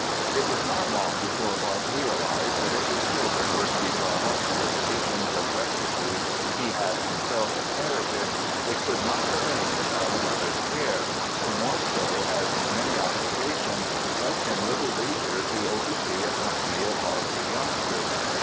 It was not long before Bach realized that if his children were to be brought up in the traditions of rectitude he had himself inherited, they could not remain without a mother's care, the more so as his many occupations left him little leisure to oversee a company of lively youngsters.